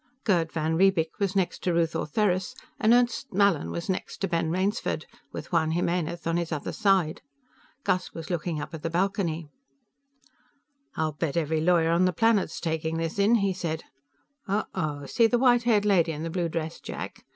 Gerd van Riebeek was next to Ruth Ortheris, and Ernst Mallin was next to Ben Rainsford, with Juan Jimenez on his other side. Gus was looking up at the balcony. "I'll bet every lawyer on the planet's taking this in," he said. "Oh oh! See the white haired lady in the blue dress, Jack?